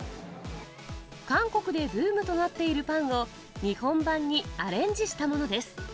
韓国でブームとなっているパンを、日本版にアレンジしたものです。